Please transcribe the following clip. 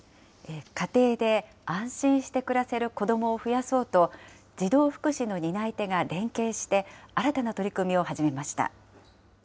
家庭で安心して暮らせる子どもを増やそうと、児童福祉の担い手が連携して新たな取り組みを始めました。